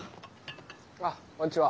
あっこんにちは。